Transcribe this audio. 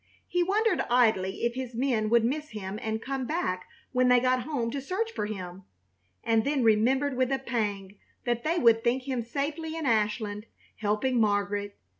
He wondered idly if his men would miss him and come back when they got home to search for him, and then remembered with a pang that they would think him safely in Ashland, helping Margaret.